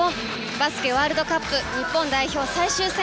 バスケワールドカップ日本代表最終戦。